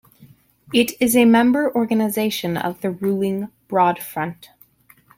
It is a member organisation of the ruling Broad Front.